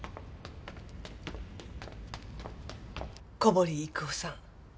小堀育男さん